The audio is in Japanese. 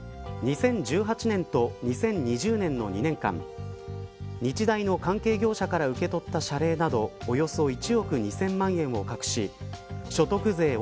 ２０１８年と２０２０年の２年間日大の関係業者から受け取った謝礼などおよそ１億２０００万円を隠し所得税